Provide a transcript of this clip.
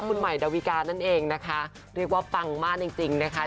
คุณใหม่ดาวิกานั่นเองนะคะเรียกว่าปังมากจริงนะคะ